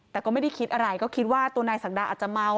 แต่ก็ไม่ได้คิดอะไรก็คิดว่าตัวนายศักดาอาจจะเมา